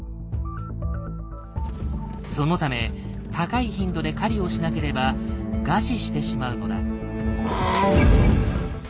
そのため高い頻度で狩りをしなければ餓死してしまうのだ。